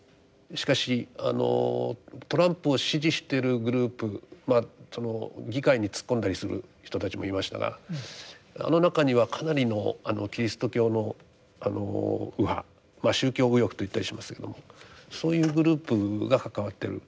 しかしあのトランプを支持してるグループまあその議会に突っ込んだりする人たちもいましたがあの中にはかなりのキリスト教の右派宗教右翼と言ったりしますけどもそういうグループが関わってる。